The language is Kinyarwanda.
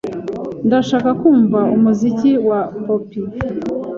Ndashaka kumva umuziki wa pop.